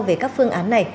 về các phương án này